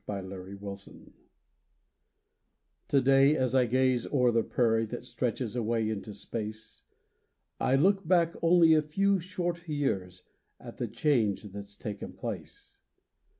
*PASSING OF THE RANGE* Today as I gaze o'er the prairie That stretches away into space, I look back only a few short years At the change that's taken place.